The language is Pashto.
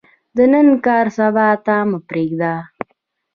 د نن کار، سبا ته مه پریږده.